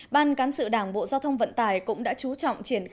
tại các doanh nghiệp